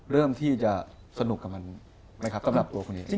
เริ่มที่จะสนุกกับมันไหมครับสำหรับตัวคุณเอง